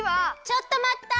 ちょっとまった！